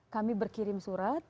kami berkirim surat